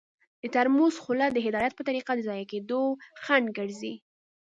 د ترموز خوله د هدایت په طریقه د ضایع کیدو خنډ ګرځي.